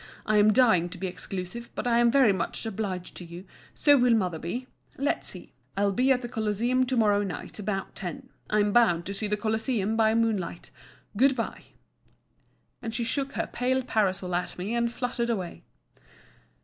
I'm dying to be exclusive; but I'm very much obliged to you, and so will mother be. Let's see. I'll be at the Colosseum to morrow night, about ten. I'm bound to see the Colosseum, by moonlight. Good bye;" and she shook her pale parasol at me, and fluttered away.